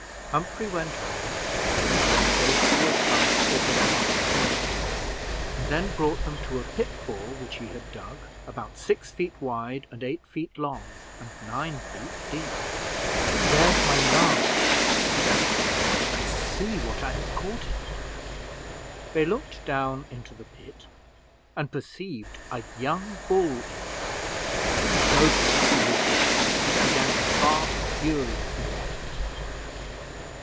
Humphrey went on till they came close to a clump of large trees, and then brought them to a pitfall which he had dug, about six feet wide and eight feet long, and nine feet deep. "There's my large trap," said Humphrey, "and see what I have caught in it." They looked down into the pit and perceived a young bull in it. Smoker, who was with him, began to bark furiously at it.